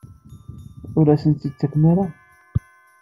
Ur asent-t-id-tettakem ara?